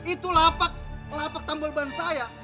itu lapak lapak tambor ban saya